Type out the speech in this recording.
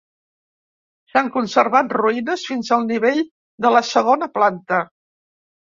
S'han conservat ruïnes fins al nivell de la segona planta.